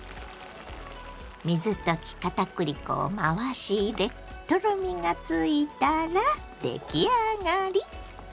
水溶き片栗粉を回し入れとろみがついたら出来上がり。